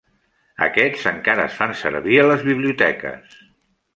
Aquests encara es fan servir a les biblioteques.